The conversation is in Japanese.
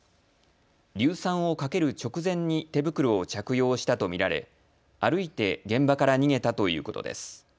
硫酸をかける直前に手袋を着用したと見られ歩いて現場から逃げたということです。